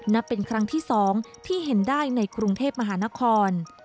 นับเป็นครั้งที่๒ที่เห็นได้ในกรุงเทพมหานคร